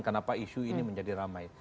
kenapa isu ini menjadi ramai